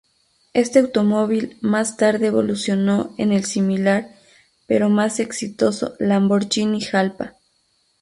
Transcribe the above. Este automóvil más tarde evolucionó en el similar pero más exitoso Lamborghini Jalpa.